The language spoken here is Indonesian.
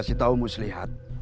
kasi tahu mus lihat